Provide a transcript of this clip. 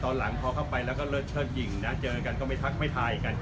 ตอนหลังพอเข้าไปแล้วก็เลิศเชิดยิงนะเจอกันก็ไม่ทักไม่ทายกัน